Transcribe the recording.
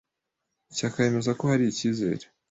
Shyaka yemeza ko hari icyizere